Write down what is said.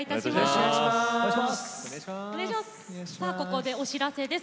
ここでお知らせです。